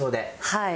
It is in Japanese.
はい。